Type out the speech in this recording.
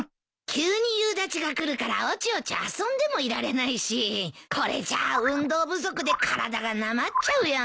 急に夕立がくるからおちおち遊んでもいられないしこれじゃあ運動不足で体がなまっちゃうよ。